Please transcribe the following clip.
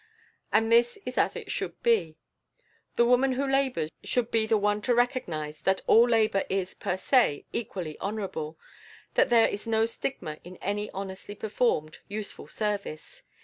And this is as it should be. The woman who labors should be the one to recognize that all labor is per se equally honorable that there is no stigma in any honestly performed, useful service.